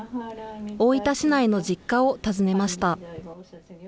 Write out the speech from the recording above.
大分市内の実家を訪ねました。